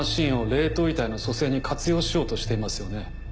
冷凍遺体の蘇生に活用しようとしていますよね。